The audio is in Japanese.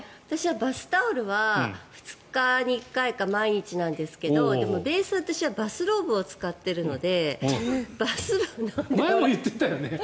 バスタオルは２日に１回か毎日なんですがでも、ベースで私はバスローブを使っているので。